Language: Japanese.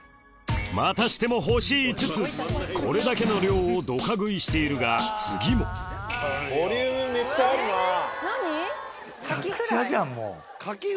またしても星５つこれだけの量をドカ食いしているが次もめちゃくちゃじゃんもう。